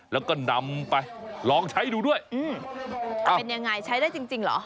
แล้วก็นำไปลองใช้ดูด้วยเป็นยังไงใช้ได้จริงจริงเหรอ